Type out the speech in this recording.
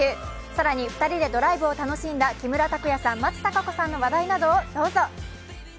更に２人でドライブを楽しんだ木村拓哉さん、松たか子さんの話題をどうぞ。